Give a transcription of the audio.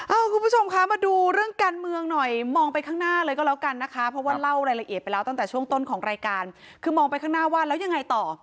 คุณผู้ชมคะมาดูเรื่องการเมืองหน่อยมองไปข้างหน้าเลยก็แล้วกันนะคะเพราะว่าเล่ารายละเอียดไปแล้วตั้งแต่ช่วงต้นของรายการคือมองไปข้างหน้าว่าแล้วยังไงต่อ